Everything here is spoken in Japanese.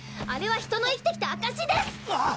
あれは人の生きてきたあかしです！